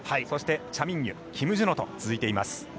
そして、チャ・ミンギュキム・ジュノと続いています。